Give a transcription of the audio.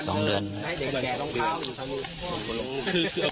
สองเดือนสองเดือนคือเอาปืนเอาปืนสามห้าเจ็ดต่อหลัง